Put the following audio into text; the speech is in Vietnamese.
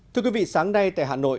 thưa quý vị sáng nay tại hà nội